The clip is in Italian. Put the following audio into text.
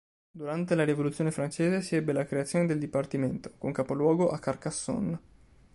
Durante la Rivoluzione francese si ebbe la creazione del dipartimento, con capoluogo a Carcassonne.